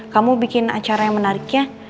kamu bikin acara yang menariknya